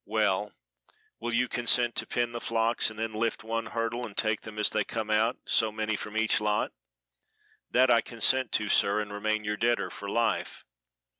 "Well! will you consent to pen the flocks and then lift one hurdle and take them as they come out, so many from each lot?" "That I consent to, sir, and remain your debtor for life."